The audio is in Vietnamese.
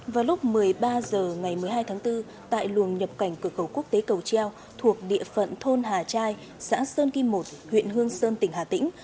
vào lúc một mươi ba h ngày một mươi hai tháng bốn tại luồng nhập cảnh cửa khẩu quốc tế cầu treo thuộc địa phận thôn hà trai xã sơn kim một huyện hương sơn tỉnh hà tĩnh